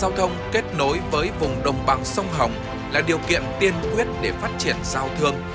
giao thông kết nối với vùng đồng bằng sông hồng là điều kiện tiên quyết để phát triển giao thương